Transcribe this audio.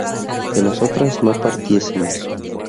¿que nosotras no partiésemos?